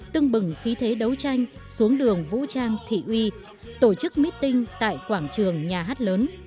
tưng bừng khí thế đấu tranh xuống đường vũ trang thị uy tổ chức meeting tại quảng trường nhà hát lớn